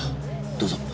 どうぞ。